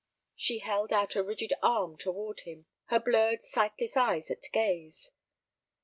She held out a rigid arm toward him, her blurred, sightless eyes at gaze.